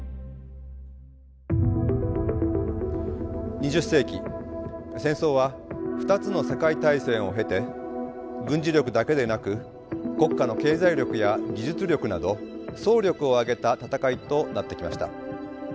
２０世紀戦争は２つの世界大戦を経て軍事力だけでなく国家の経済力や技術力など総力を挙げた戦いとなってきました。